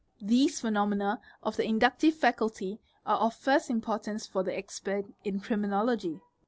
4 These phenomena of the inductive faculty are of first importance for the expert in criminology.